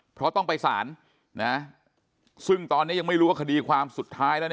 เพราะต้องไปสารนะซึ่งตอนนี้ยังไม่รู้ว่าคดีความสุดท้ายแล้ว